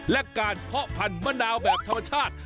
และการเพาะพันธมะนาวแบบธรรมชาติ